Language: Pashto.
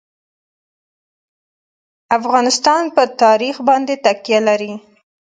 افغانستان په تاریخ باندې تکیه لري.